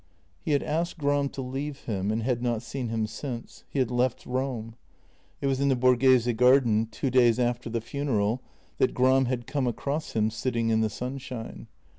He had asked Gram to leave him and had not seen him since; he had left Rome. It was in the Borghese garden, two days after the funeral, that Gram had come across him sitting in the sunshine.